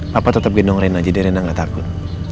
papa tetep gendong rena jadi rena gak takut